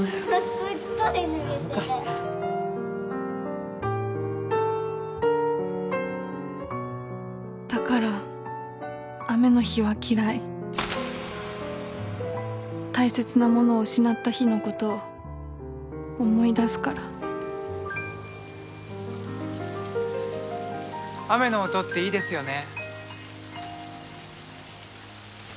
すっごい濡れてるだから雨の日は嫌い大切なものを失った日のことを思い出すから雨の音っていいですよね